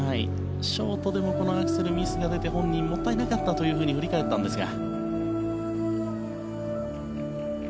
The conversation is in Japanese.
ショートでもこのアクセルにミスが出て本人、もったいなかったと振り返ったんですが。